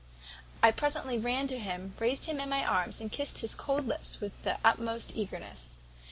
I presently ran to him, raised him in my arms, and kissed his cold lips with the utmost eagerness.